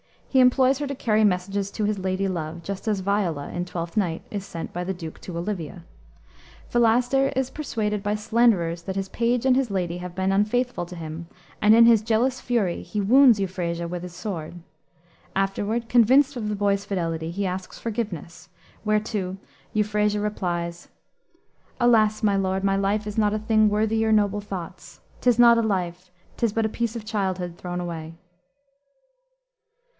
He employs her to carry messages to his lady love, just as Viola, in Twelfth Night, is sent by the Duke to Olivia. Philaster is persuaded by slanderers that his page and his lady have been unfaithful to him, and in his jealous fury he wounds Euphrasia with his sword. Afterward, convinced of the boy's fidelity, he asks forgiveness, whereto Euphrasia replies, "Alas, my lord, my life is not a thing Worthy your noble thoughts. 'Tis not a life, 'Tis but a piece of childhood thrown away."